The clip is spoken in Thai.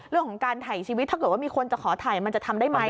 เรื่องของการถ่ายชีวิตถ้าเกิดว่ามีคนจะขอถ่ายมันจะทำได้ไหม